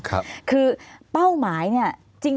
คือเป้าหมายเนี่ย